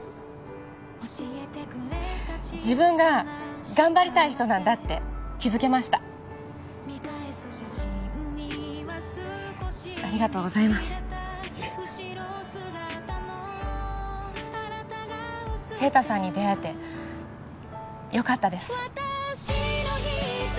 自分が頑張りたい人なんだって気づけましたありがとうございますいえ晴太さんに出会えてよかったです